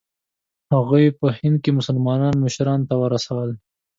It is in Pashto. هغوی یې په هند کې مسلمانانو مشرانو ته ورسول.